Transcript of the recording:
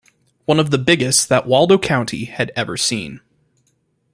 One of the biggest that Waldo County had ever seen.